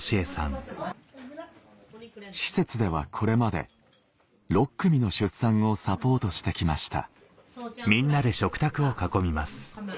施設ではこれまで６組の出産をサポートしてきました